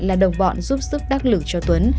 là đồng bọn giúp sức đắc lử cho tuấn